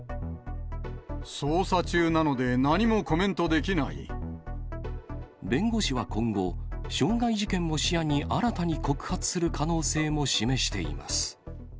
捜査中なので何もコメントで弁護士は今後、傷害事件も視野に新たに告発する可能性も示しています。